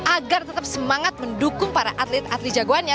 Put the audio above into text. agar tetap semangat mendukung para atlet atlet jagoannya